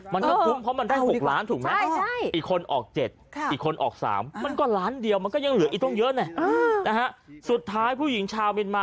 มันก็คุ้มเพราะมันได้๖ล้านถูกไหม